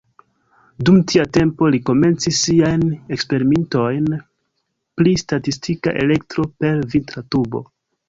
Dum tia tempo, li komencis siajn eksperimentojn pri statika elektro per vitra tubo.